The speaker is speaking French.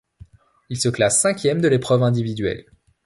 Il se classe cinquième de l'épreuve individuelle.